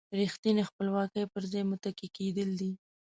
ریښتینې خپلواکي پر ځان متکي کېدل دي.